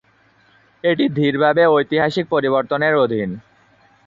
এটি দৃঢ়ভাবে ঐতিহাসিক পরিবর্তনের অধীন।